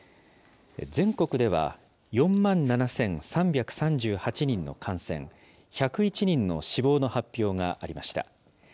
全国では４万７３３８人の感染、１０１人の死亡の発表がありました。